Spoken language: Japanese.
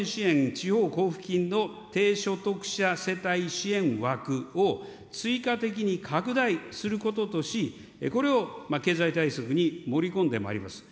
地方交付金の低所得者世帯支援枠を追加的に拡大することとし、これを経済対策に盛り込んでまいります。